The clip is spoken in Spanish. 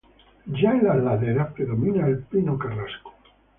Ya en las laderas predomina el pino carrasco.